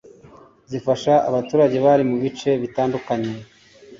zifasha abaturage bari mu bice bitandukanye